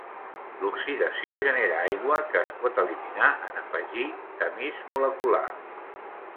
L'oxidació genera aigua que es pot eliminar en afegir tamís molecular.